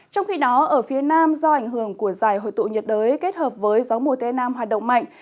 trong khi đó ở phía nam do ảnh hưởng của giải hội tụ nhiệt đới kết hợp với gió mùa tây nam hoạt động mạnh